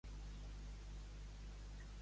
Pot ser de Tigerair Mandala.